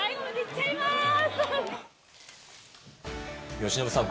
由伸さん